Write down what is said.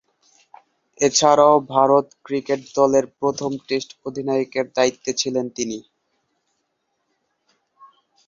এছাড়াও, ভারত ক্রিকেট দলের প্রথম টেস্ট অধিনায়কের দায়িত্বে ছিলেন তিনি।